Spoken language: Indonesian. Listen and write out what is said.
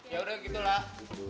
ya udah gitu lah